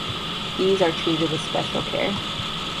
These are treated with special care.